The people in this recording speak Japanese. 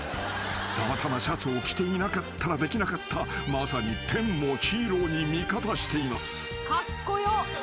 ［たまたまシャツを着ていなかったらできなかったまさに天もヒーローに味方しています］